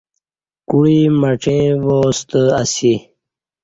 کوعی مڄیں وا ستہ اسی